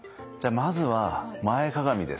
まずは前かがみです。